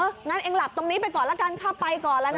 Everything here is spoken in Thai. งั้นเองหลับตรงนี้ไปก่อนละกันข้าไปก่อนแล้วนะ